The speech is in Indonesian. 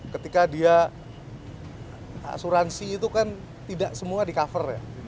ketika dia asuransi itu kan tidak semua di cover ya